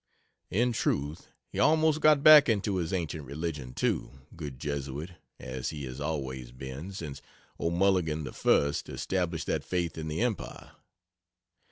In truth he almost got back into his ancient religion, too, good Jesuit, as he has always been since O'Mulligan the First established that faith in the Empire.